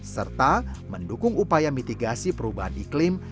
serta mendukung upaya mitigasi perubahan iklim